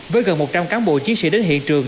với gần một trăm linh cán bộ chiến sĩ đến hiện trường